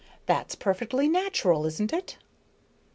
That's perfectly natural, isn't it?"